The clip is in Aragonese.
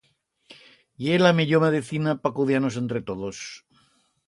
Ye la millor medicina pa cudiar-nos entre todos.